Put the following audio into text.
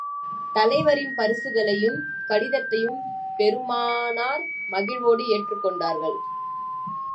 தலைவரின் பரிசுகளையும், கடிதத்தையும் பெருமானார் மகிழ்வோடு ஏற்றுக் கொண்டார்கள்.